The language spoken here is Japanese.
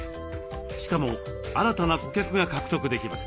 しかも新たな顧客が獲得できます。